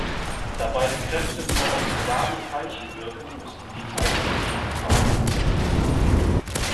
Da beide Kräfte nur auf geladene Teilchen wirken, müssen die Teilchen ggf.